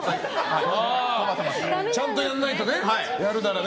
ちゃんとやらないとね。